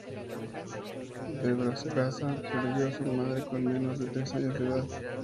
De Braganza perdió a su madre con menos de tres años de edad.